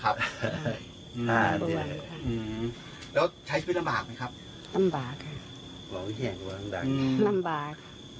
ครับอืมแล้วใช้ชีวิตลำบากไหมครับลำบากครับลำบาก